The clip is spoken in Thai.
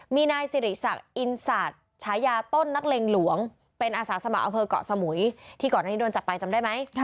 มีนายสิริศักดิ์อินสัตว์ฉายาต้นนักเลงหลวงเป็นอาสาสมัครอำเภอกเกาะสมุยที่ก่อนอันนี้โดนจับไปจำได้ไหม